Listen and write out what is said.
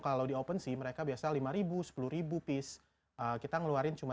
kalau di opensea mereka biasa lima sepuluh voice kita ngeluarin cuma tiga ribu empat ratus lima puluh enam